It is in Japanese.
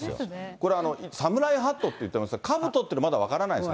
これ、サムライハットって言ってますけど、かぶとってまだ分からないんですか。